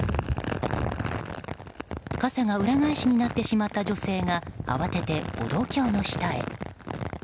傘が裏返しになってしまった女性が慌てて歩道橋の下へ。